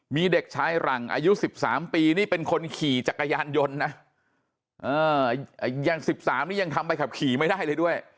มีเด็กชายหลังอายุ๑๓ปีนี่เป็นคนขี่จักรยานยนต์นะอย่าง๑๓นี่ยังทำใบขับขี่ไม่ได้เลยด้วย